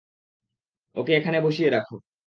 ওকে এখানে বসিয়ে রাখো।